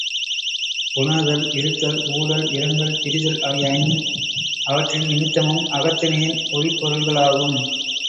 புணர்தல், இருத்தல், ஊடல், இரங்கல், பிரிதல் ஆகிய ஐந்தும், அவற்றின் நிமித்தமும் அகத்திணையின் உரிப்பொருள்களாகும்.